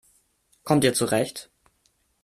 Kommt ihr zurecht?